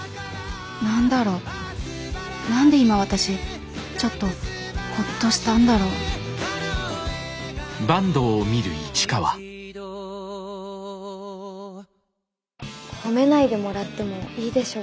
何だろう何で今私ちょっとほっとしたんだろう褒めないでもらってもいいでしょうか。